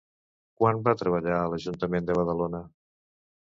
Quan va treballar a l'Ajuntament de Badalona?